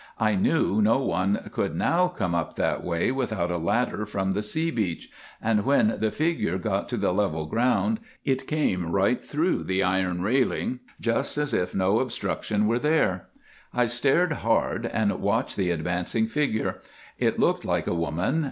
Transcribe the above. I knew no one could now come up that way without a ladder from the sea beach, and when the figure got to the level ground it came right through the iron railing just as if no obstruction were there. I stared hard and watched the advancing figure. It looked like a woman.